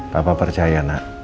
papa percaya nak